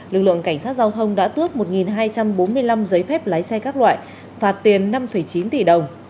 lực lượng cảnh sát giao thông đã tước một hai trăm bốn mươi năm giấy phép lái xe các loại phạt tiền năm chín tỷ đồng